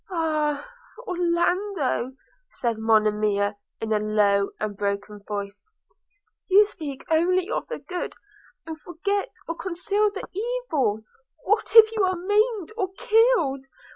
'Ah, Orlando!' said Monimia in a low and broken voice, 'you speak only of the good, and forget or conceal the evil. What if you are maimed, or killed?